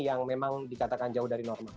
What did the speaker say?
yang memang dikatakan jauh dari normal